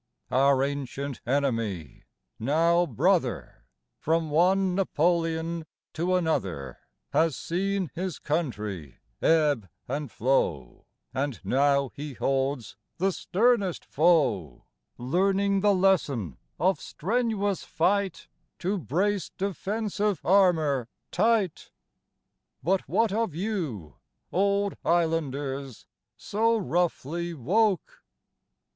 Our ancient enemy now brother From one Napoleon to another Has seen his country ebb and flow And now he holds the sternest foe, Learning the lesson of strenuous fight To brace defensive armour tight: But what of you old Islanders So roughly woke?